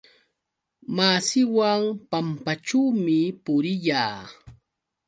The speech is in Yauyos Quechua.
Masiiwan pampaćhuumi puriyaa.